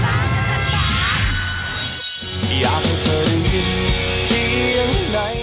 แม่บ้านประจำบาน